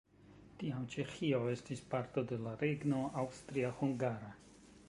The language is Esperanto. Tiam Ĉeĥio estis parto de la regno Aŭstria-Hungaria.